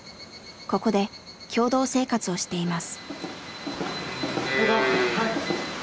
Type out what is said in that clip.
ここで共同生活をしています。